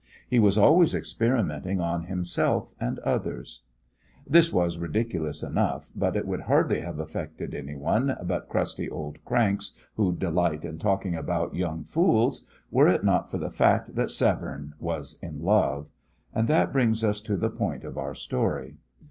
He was always experimenting on himself and others. This was ridiculous enough, but it would hardly have affected anyone but crusty old cranks who delight in talking about "young fools," were it not for the fact that Severne was in love. And that brings us to the point of our story.